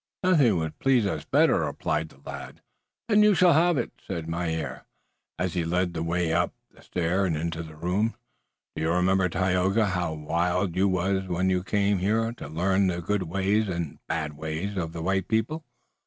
"Nothing would please us better," replied the lad. "Then you shall haf it," said Mynheer, as he led the way up the stair and into the room. "Do you remember, Tayoga, how wild you wass when you came here to learn the good ways und bad ways uf the white people?"